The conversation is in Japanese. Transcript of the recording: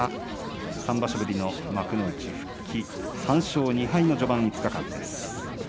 ３場所ぶりの幕内復帰３勝２敗の序盤５日間です。